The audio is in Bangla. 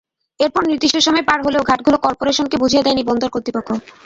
এরপর নির্দিষ্ট সময় পার হলেও ঘাটগুলো করপোরেশনকে বুঝিয়ে দেয়নি বন্দর কর্তৃপক্ষ।